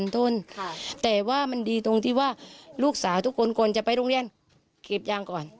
แต่ว่ามันดีตรงที่ว่าลูกสาวทุกคนก่อนจะไปโรงเรียนเก็บยางก่อน